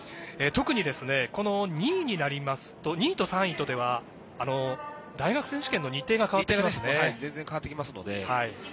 特に２位になりますと２位と３位では大学選手権の日程が変わってきますからね。